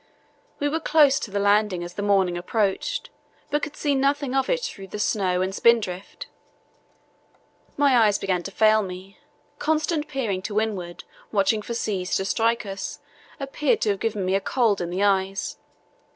We were close to the land as the morning approached, but could see nothing of it through the snow and spindrift. My eyes began to fail me. Constant peering to windward, watching for seas to strike us, appeared to have given me a cold in the eyes.